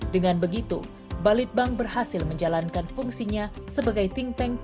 dengan begitu balitbank berhasil menjalankan fungsinya sebagai think tank